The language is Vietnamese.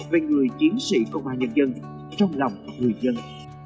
về người chiến sĩ công an nhân dân trong lòng người dân